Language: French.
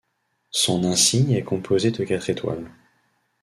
Son insigne est composé de quatre étoiles.